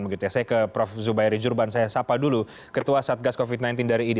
saya ke prof zubairi jurban saya sapa dulu ketua satgas covid sembilan belas dari idi